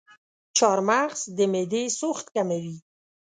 چارمغز د معدې سوخت کموي.